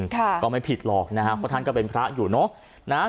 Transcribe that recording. ก็ไม่ผิดหรอกนะฮะเพราะท่านก็เป็นพระอยู่เนอะนะฮะ